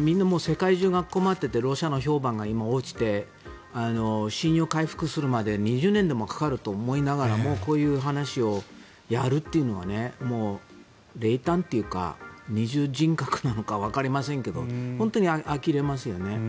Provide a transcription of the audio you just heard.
みんな世界中が困っていてロシアの評判が落ちて信用回復するまで２０年でもかかると思いながらもこういう話をやるというのは冷淡というか二重人格なのかわかりませんけど本当にあきれますよね。